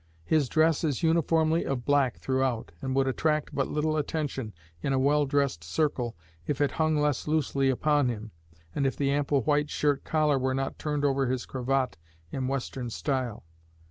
His dress is uniformly of black throughout, and would attract but little attention in a well dressed circle, if it hung less loosely upon him, and if the ample white shirt collar were not turned over his cravat in Western style.